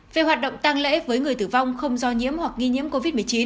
về hoạt động tăng lễ với người tử vong không do nhiễm hoặc nghi nhiễm covid một mươi chín